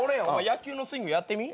野球のスイングやってみ？